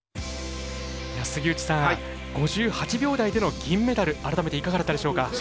杉内さん５８秒台での銀メダル改めていかがだったでしょうか。